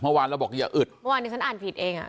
เมื่อวานเราบอกอย่าอึดเมื่อวานนี้ฉันอ่านผิดเองอ่ะ